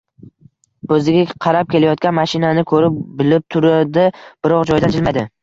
Oʻziga qarab kelayotgan mashinani koʻrib-bilib turadi, biroq joyidan jilmaydi